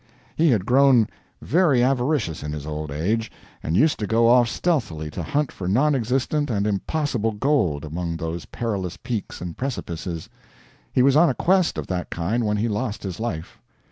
He had grown very avaricious in his old age, and used to go off stealthily to hunt for non existent and impossible gold among those perilous peaks and precipices. He was on a quest of that kind when he lost his life.